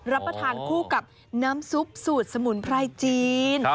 รับประทานคู่กับน้ำซุปสูตรสมุนไพรจีน